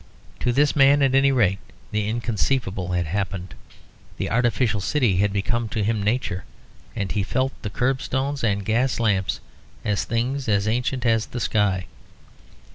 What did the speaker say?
To this man, at any rate, the inconceivable had happened. The artificial city had become to him nature, and he felt the curbstones and gas lamps as things as ancient as the sky.